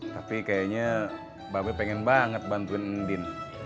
tapi kayaknya mba be pengen banget bantuin ndin